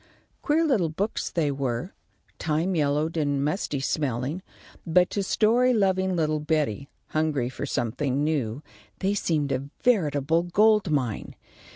Queer little books they were, time yellowed and musty smelling, but to story loving little Betty, hungry for something new, they seemed a veritable gold mine.